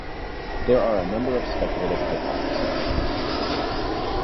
There are a number of speculative hypotheses.